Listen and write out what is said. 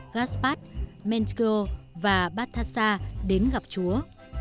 gaspard mentkeel và bathassa đến gặp chúa